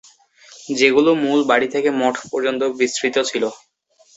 যেগুলো মূল বাড়ি থেকে মঠ পর্যন্ত বিস্তৃত ছিল।